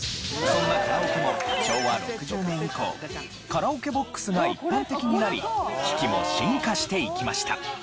そんなカラオケも昭和６０年以降カラオケボックスが一般的になり機器も進化していきました。